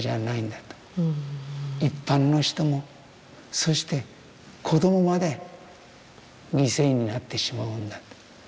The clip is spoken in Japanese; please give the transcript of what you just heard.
一般の人もそして子供まで犠牲になってしまうんだと。